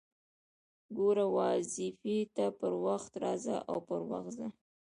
ګوره! واظيفې ته پر وخت راځه او پر وخت ځه!